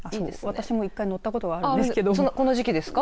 私も１回乗ったことがあるんですけどこの時期ですか。